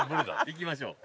行きましょう。